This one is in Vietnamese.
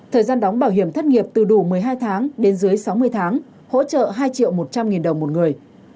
thời gian đóng bảo hiểm thất nghiệp từ đủ một mươi hai tháng đến dưới sáu mươi tháng hỗ trợ hai triệu một trăm linh nghìn đồng một người